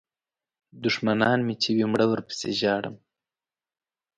دوښمنان مې چې وي مړه ورپسې ژاړم.